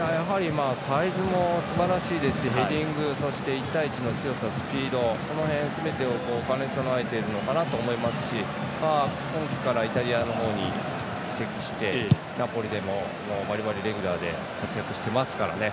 サイズもすばらしいですしヘディング、そして１対１の強さスピード、その辺すべてを兼ね備えているのかなと思いますし今季からイタリアの方に移籍して、ナポリでもばりばり、レギュラーで活躍してますからね。